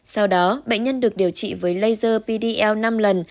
sau đó bệnh nhân được điều trị với laser pdl năm lần